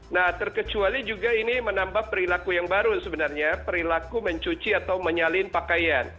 nah terkecuali juga ini menambah perilaku yang baru sebenarnya perilaku mencuci atau menyalin pakaian